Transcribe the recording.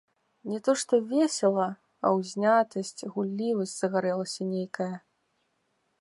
Не то што весела, а ўзнятасць, гуллівасць загарэлася нейкая.